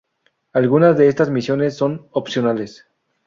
Algunas de estas misiones son opcionales.